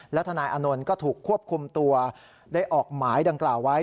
และทนายอานนท์ก็ถูกควบคุมตัวได้ออกหมายดังกล่าวไว้